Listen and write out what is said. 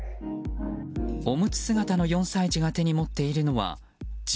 おむつ姿の４歳児が手に持っているのは、銃。